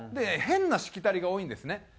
変なしきたりが多いんですね。